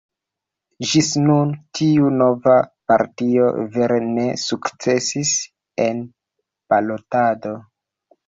Ĝis nun tiu nova partio vere ne sukcesis en balotado.